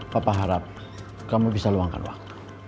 papa harap kamu bisa luangkan waktu